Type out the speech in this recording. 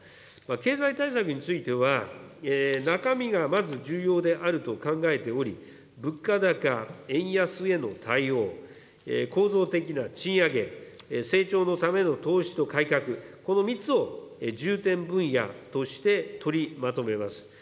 経済対策については、中身がまず重要であると考えており、物価高、円安への対応、構造的な賃上げ、成長のための投資と改革、この３つを重点分野として取りまとめます。